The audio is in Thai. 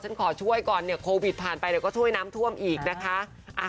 ฉันขอช่วยก่อนโควิดผ่านไปแล้วก็ช่วยน้ำท่วมอีกนะคะ